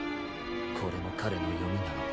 これもかれのよみなのか。